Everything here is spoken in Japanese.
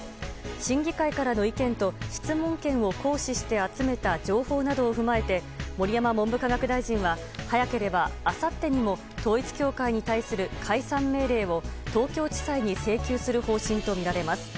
審議会からの意見と質問権を行使して集めた情報などを踏まえて盛山文部科学大臣は早ければあさってにも統一教会に対する解散命令を東京地裁に請求する方針とみられます。